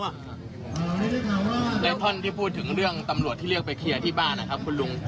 แล้วท่อนที่พูดถึงเรื่องตำรวจที่เรียกไปเคลียร์ที่บ้านนะครับคุณลุง